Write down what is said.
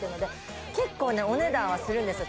結構お値段はするんですよ。